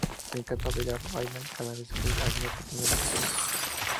Le encanta bailar y baila cada vez que hay una oportunidad de hacerlo.